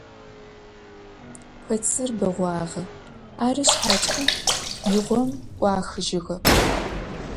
Kotsır beğuağe, arı şshaç'e yiğom 'uaxıjığep.